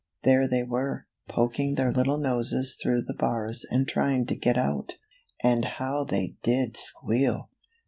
There they were, poking their little noses through the bars and trying to get out. And how they did squeal